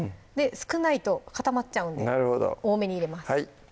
少ないと固まっちゃうんで多めに入れます